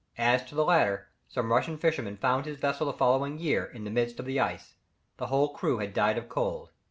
As to the latter, some Russian fishermen found his vessel the following year, in the midst of the ice. The whole crew had died of cold.